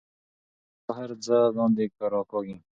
د جاذبې قوه هر څه لاندې راکاږي.